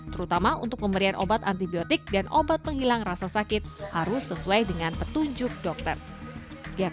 terutama untuk pemberian obat antibiotik dan obat penghilang rasa sakit harus sesuai dengan petunjuk dokter